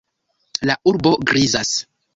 La urbo grizas.